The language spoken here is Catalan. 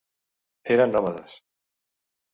Eren nòmades.